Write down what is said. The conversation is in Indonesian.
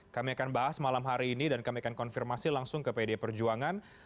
kami akan bahas malam hari ini dan kami akan konfirmasi langsung ke pdi perjuangan